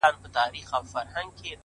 دا چي دي شعرونه د زړه جيب كي وړي”